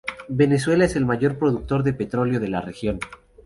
Venezuela es el mayor productor de petróleo de la región.